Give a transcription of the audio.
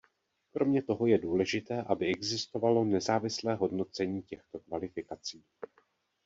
Kromě toho je důležité, aby existovalo nezávislé hodnocení těchto kvalifikací.